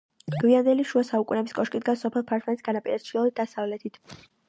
გვიანდელი შუა საუკუნეების კოშკი დგას სოფელ ფარსმის განაპირას, ჩრდილო-დასავლეთით.